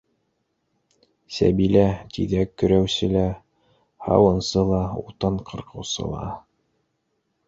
Сәбилә - тиҙәк көрәүсе лә, һауынсы ла, утын ҡырҡыусы ла...